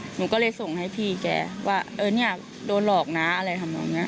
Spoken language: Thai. หนูก็เลยส่งให้พี่แกว่าเออเนี่ยโดนหลอกนะอะไรทำนองนี้